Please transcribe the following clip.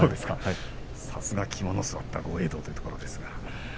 さすが肝の据わった豪栄道というところですね。